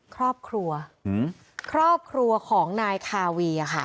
ครอบครัวครอบครัวของนายคาวีค่ะ